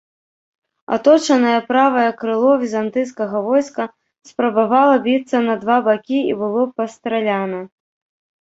Аточанае правае крыло візантыйскага войска спрабавала біцца на два бакі і было пастраляна.